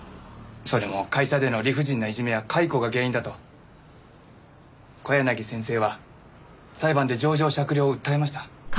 それも会社での理不尽ないじめや解雇が原因だと小柳先生は裁判で情状酌量を訴えました。